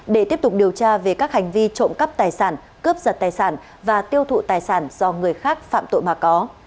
họ cũng điều tra về các hành vi trộm cắp tài sản cướp giật tài sản và tiêu thụ tài sản do người khác phạm tội mà có